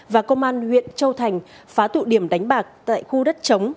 và công an huyện châu thành phá tụ điểm đánh bạc tại khu đất chống